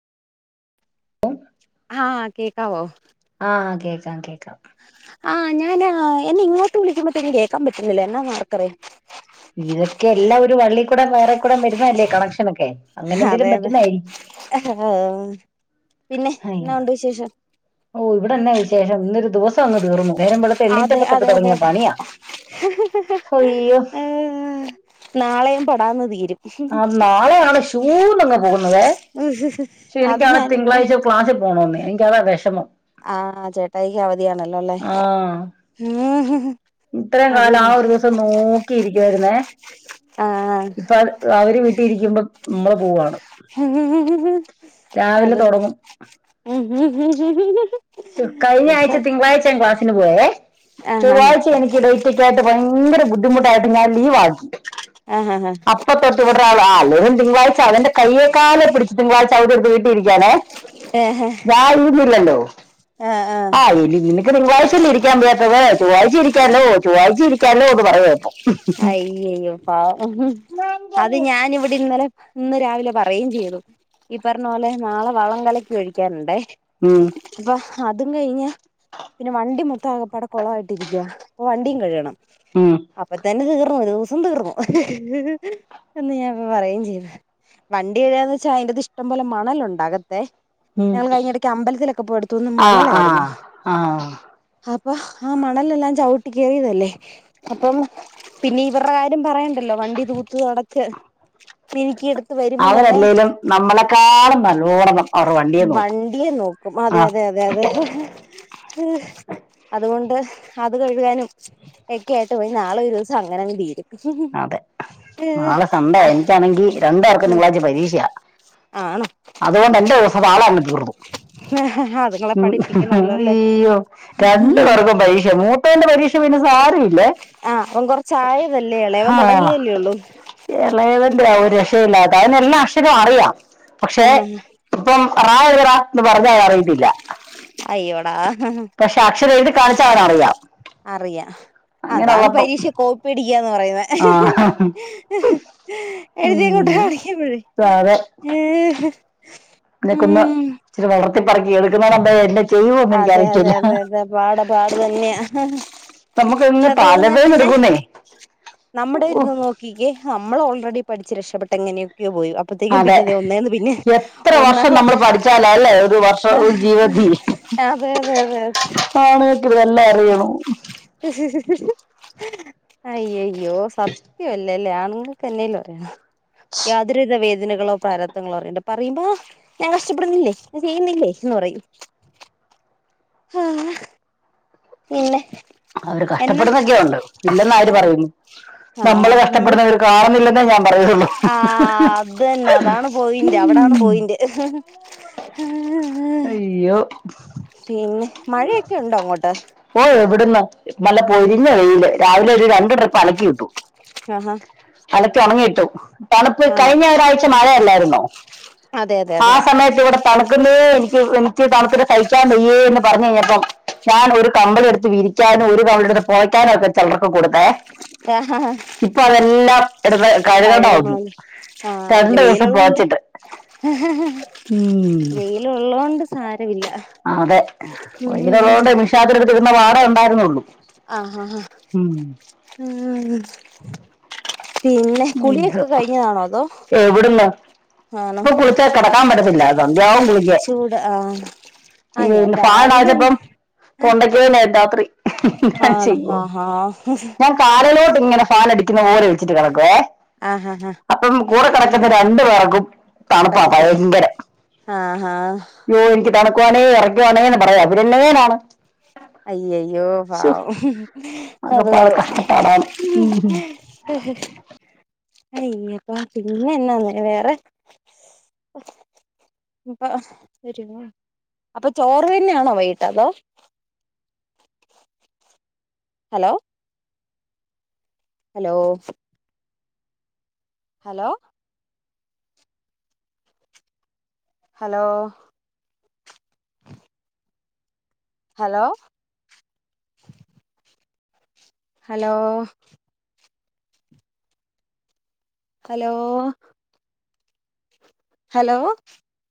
ആ കേക്കാവോ ആ ആ കേക്കാം കേക്കാം. ക്കാം ആ ഞാന എന്നെ ഇങ്ങോട്ട് വിളിക്കുമ്പത്തേന് കേക്കാമ്പറ്റ്ന്നില്ല എന്നാന്നാർക്കറിയാം. ഇതക്കയെല്ലാ ഒരു വള്ളീക്കുടേം വയറേക്കുടേം വെര്ന്നയല്ലേ കണക്ഷനൊക്കെ. അങ്ങനെന്തേലും അതെ അതെ പറ്റ്ന്നയാരിക്കും. പിന്നെ എന്നാ ഉണ്ട് വിശേഷം ഓ ഇവ്ടെന്നാ വിശേഷം. ഇന്നൊര് ദിവസങ്ങ് തീർന്നു. നേരം വെളുത്ത് അതെ എണ്ണീറ്റപ്പ തൊട്ട് അതെതെ തുടങ്ങിയ പണിയാ അയ്യോ ആ നാളെയൊ [unintelligible] ടാന്ന് തീരും. ആ നാളെയാണ് ശൂന്നങ് പോകുന്നതേ. അത് എനിക്കാണെ ഞാനിവിടെ തിങ്കളാഴ്ച ക്ലാസ്സി പോണോന്നെ. എനിക്കതാ വെഷമം. ആ ചേട്ടായിക്കവധിയാണല്ലോല്ലെ. ഉം ഇത്രേം കാലം ആ ഒരു ദിവസം നോക്കിയിരിക് രുന്നേ ആഹ് ഇപ്രാ അവര് ക്കിരിക്മ്പൊ മ്മള് പോവാണ്. രാവിലെ അതന്നെ. തുടങ്ങും കയിഞ്ഞായ്ച തിങ്കളാഴ്ച ഞാൻ ക്ളാസിന് പോയെ ആഹ് ചൊവ്വാഴ്ച എനിക്ക് [unintelligible] ക്കായിട്ട് ഭയങ്കര ബുദ്ധിമുട്ടായിട്ട് ഞാൻ ലീവാരുന്നു. ആഹ് ആഹ് ആഹ് അപ്പത്തൊട്ടിവിടൊരാള് ആ തിങ്കളാഴ്ച തെന്റെ കയ്യെകാലെ പിടിച്ച് തിങ്കളാഴ്ച അവധിയെടുത്ത് വീട്ടിയിരിക്കാനെ. ഞാൻ ഇരുന്നില്ലല്ലോ. ആഹ് ആഹ് ആ ഇനി നിനക്ക് തിങ്കളാഴ്ച അല്ലേ ഇരിക്കാൻ വയ്യാത്തത്. ചൊവ്വാഴ്ച ഇരിക്കാല്ലോ ചൊവ്വാഴ്ച ഇരിക്കാല്ലോ എന്നു പറയ ഇപ്പോ. അയ്യയ്യോ പാവം അത് ഞാൻ ഇവിടെ ഇന്നലെ ഇന്ന് രാവിലെ പറയുകയും ചെയ്തു ഈ പറഞ്ഞ പോലെ നാളെ വളം കലക്കി ഒഴിക്കാനുണ്ടേ. മ് അപ്പൊ അതും കഴിഞ്ഞു പിന്നെ വണ്ടി മു ത്ത ആകെപാടെ കൊളമായിട്ട് ഇരിക്കുവാ അപ്പൊ വണ്ടിയും കഴുകണം. മ് അപ്പത്തെന് തീർന്നു ഒരൂസം തീർന്നു. എന്നു ഞാൻ ഇപ്പ പറയേം ചെയ്തു. വണ്ടി കഴുകാന്ന് വെച്ച അതിനകത്തു ഇഷ്ടംപോലെ മണലുണ്ട് അകത്തെ. ഉം. ഞങ്ങള് കഴിഞ്ഞ ഇടക്ക്‌ അമ്പലത്തിൽ ഒക്കെ പോയിടത്തുന്നു ആ മണൽ ആ ആയിരുന്നു ആ അപ്പ് ആ മണൽ എല്ലാം ചവിട്ടി കേറിയതല്ലേ അപ്പം പിന്നെ ഇവർടെ കാര്യം പറയാണ്ടാല്ലോ വണ്ടി തൂത്തു തൊടച്ച് എനിക്ക് ഈ അടു ത്ത് വരുമ്പം തന്നെ അവരല്ലേലും നമ്മളെക്കാളും നല്ലോണം അവർ വണ്ടിയെ നോക്കും വണ്ടിയെ നോക്കും അതെ ആ അതെ അത്‌ കൊണ്ട് അത് കഴിവിഇടാനും എക്കെ ആയിട്ട് വരും നാളെ ഒരു ദിവസം അങ്ങനങ്ങ് തീരും അതെ നാളെ സൺ‌ഡേയാ എനിക്കാണെങ്കി രണ്ട് പേർക്കും തിങ്കളാഴ്ച പരീക്ഷയാ ആണോ അത് കൊണ്ട് എന്റെ ദിവസം നാളെ അങ്ങ് തീർന്നു അതുങ്ങളെ ഉം പഠിപ്പിക്കണല്ലോ അല്ലേ അയ്യോ രണ്ട് പേർക്കും പരീക്ഷ മൂത്തെന്റെ പരീക്ഷ പിന്നെ സാരമില്ല ആഹ് അവൻ കൊറച്ചു ആയത ആഹ് ഇളയവന്റെ ഒരു ശ് [unintelligible] എല്ലാം ശരവും അറിയാം പക്ഷേ ആഹാ ഇപ്പൊ റ എഴുതെടാ ന്ന് പറഞ്ഞാ അറിയത്തില്ല അയ്യോടാ പക്ഷേ അക്ഷരം എഴുതി കാണിച്ചാൽ അവനു അറിയാം അറിയാ അതാണ് അങ്ങനെയുള്ളപ്പം പരീക്ഷ കോപ്പിയടി ക്കുക എന്നു പറയുന്നത് ആ എഴുതി അങ്ങോട്ട് ഉം. കാണിക്കുന്നതെ ഏഹ് [unintelligible] ച്ചിരി വളർ പറക്കി എടുക്കുന്നത് നല്ലത് എന്തേ ചെയ്യുവോന്നു എനിക്ക് അതെ അതെ അറിയത്തില്ല അതെ അതെ പാട് നമ്മ പക്ഷേ അത് കഴിഞ്ഞാ പിന്നെ നമ്മുടെ ഒരിത് ഉഫ്. നോക്കിക്കേ നമ്മളോ പോയി [unintelligible] പഠിച്ചു രക്ഷപെട്ട് എങ്ങനെയൊ പോയി അപ്പോത്തേക്കും അതെ പിന്നെ ദേ ഒന്നെന്നു പിന്നെ എത്ര ഒന്നാം വർഷം നമ്മൾ ക്ലാസ്സിലേക്ക് പഠിച്ചാലല്ലേ ഒരു വർഷം ഒരു ജീവിതത്തിൽ അതെ അതെ അതെ ആണുങ്ങൾക്ക് ഇതെല്ലാം അറിയണു അയ്യേയ് യ്യോ സത്യം അൽ ല്ലല്ലേ. ആണുങ്ങൾക്ക് എന്നേലും അറിയണോ യാതൊരു വിധ വേദ ദനകളോ പ്രാരാബ്ദങ്ങളോ അറിയണ്ട പറയുമ്പോ ഞാൻ കഷ്‌ടപ്പെടുന്നില്ലേ? ചെയ്യുന്നില്ലേ? എന്ന് പറയും ആ പിന്നെ അവര് കഷ്‌ടപ്പെടുന്നാക്കെയുണ്ട്. ഇല്ലെന്നാരു അത് പറയുന്നു. നമ്മള് കഷ്‌ടപ്പെടുന്നത് അവര് കാണുന്നില്ലന്ന് ആ അത് തന്നെ. അതാണ് പോയിൻ്റ് അവിടാണ് പോയിൻ്റ്. അയ്യോ പിന്നെ മഴയൊക്കെ ഉണ്ടോ അങ്ങോട്ട് ഓ എവിടുന്ന് നല്ല പൊരിഞ്ഞ വെയില്. രാവിലെ ഒരു രണ്ട് ട്രിപ്പ് അലക്കി ഇട്ടു. ആഹാ അലക്കി ഒണങ്ങി ഇട്ടു. തണുപ്പ്. ആണോ കഴിഞ്ഞ ഒരാഴ്ച മഴയല്ലേർന്നോ അതെ അതെ ആ അതെ അതെ സമയത്ത് ഇവിടെ തണുക്കുന്നേ. എനിയ്ക്ക് പിന്നെ നിയ്ക്ക് തണിത്തിട്ട് സഹിക്കാൻ വയ്യെന്ന് പറഞ്ഞു കഴിഞ്ഞപ്പം ഞാനൊരു കമ്പിളി എടുത്ത് വി ക്കാൻ ഒരു കിമ്പിളി എടുത്ത് പുതക്കാനൊക്കെ ചെലർക്കു കൊടുത്തേ ഇപ്പൊ അതെല്ലാം എടുത്ത് കഴുകണ്ട വന്നു കഴുകണോലോ ആ പിന്നെ രണ്ടു ദിവസം വെയിലൊള്ളോണ്ട്. പുതച്ചിട്ട് വെയിലുള്ളതുകൊണ്ട് ആ അതെ. ഉം വെയിലുള്ളതുകൊണ്ട് മിഷിനാത്ത് എടു ഇടുന്ന പാടേ ഉണ്ടായിരുന്നുള്ളൂ അ ഉം. അ ആ കുളിയൊക്കെ കഴിഞ്ഞതാണോ അതോ എവിടുന്ന് ആണോ ഇപ്പൊ കുളിച്ചാ കെടക്കാൻ പറ്റത്തില്ല രാവും കുളിക്കാൻ. ചൂട് ആഹ് ആഹ് ഞാൻ ഫാൻ ഇടാന്ന് രാവിലെ വെച്ചപ്പം തൊണ്ടയ്ക്ക് ആണോ ച്ചയ്യോ. ആഹാ ഞാൻ കാലിലോട്ട് ഇങ്ങനെ കാലടിക്കുന്ന പോലെ ഒഴിച്ചിട്ട് വേറെ എവിടെ വേ ആഹ് ആഹ് ആഹ് അപ്പം കൂടെ കിടക്കു രണ്ടു പേർക്കും തണുപ്പാ പറ്റത്തി ഭയങ്കര ആ ആ തണുക്കുവാണേ വെറക്കുവാണേ എന്ന് പറയും. അവര് എന്നചെയ്യാനാണ് അയ്യയ്യോ പാവം. അതു അകപ്പാട് കൊള്ളാം കഷ്ടപ്പാടാണ് ഉം അത് കയിഞ്ഞപ്പോ പിന്നെ എന്നാന്ന് വേറെ. അപ്പൊ അപ്പോ ചോറ് തന്നെയാണോ വൈകിട്ട് അതോ hello hello hello hello hello hello ഹലോവ് ഹലോവ്